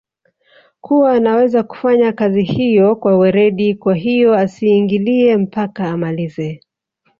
kuwa anaweza kufanya kazi hiyo kwa weredi kwahiyo asiingilie mpaka amalize